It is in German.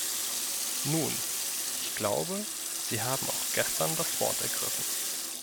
Nun, ich glaube, Sie haben auch gestern das Wort ergriffen.